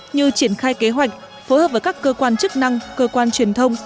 như triển khai kế hoạch phối hợp với các cơ quan chức năng cơ quan truyền thông